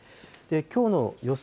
きょうの予想